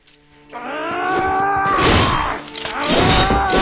あ！